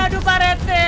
aduh pak rete